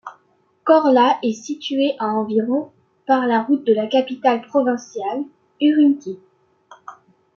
Korla est située à environ par la route de la capitale provinciale Ürümqi.